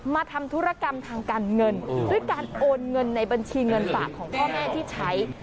ทำธุรกรรมทางการเงินด้วยการโอนเงินในบัญชีเงินฝากของพ่อแม่ที่ใช้